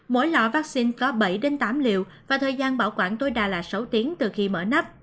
mỗi loại vaccine có bảy tám liệu và thời gian bảo quản tối đa là sáu tiếng từ khi mở nắp